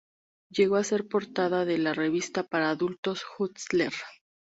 Llegó a ser portada de la revista para adultos "Hustler".